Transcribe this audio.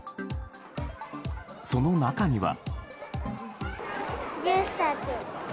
その中には。